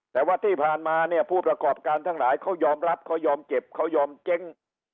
แต่ว่าที่ผ่านมาเนี่ยผู้ประกอบการทั้งหลายเขายอมรับเขายอมเจ็บเขายอมเจ๊ง